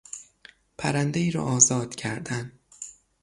پرندهای را آزاد کردن